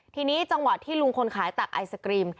ทีนี้จังหวะที่ลุงคนขายตักไอศกรีม